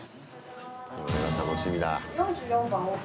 これは楽しみだ。